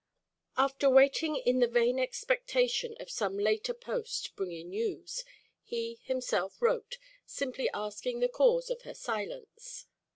After waiting in the vain expectation of some later post bringing news, he himself wrote, simply asking the cause of her silence.